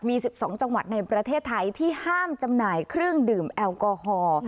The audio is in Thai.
มี๑๒จังหวัดในประเทศไทยที่ห้ามจำหน่ายเครื่องดื่มแอลกอฮอล์